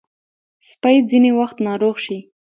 سپي ځینې وخت ناروغ شي.